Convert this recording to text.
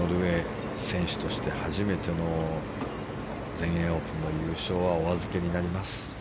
ノルウェー選手として初めての全英オープンの優勝はお預けになります。